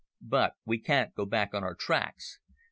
But we can't go back on our tracks.